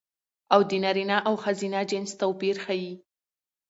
او د نرينه او ښځينه جنس توپير ښيي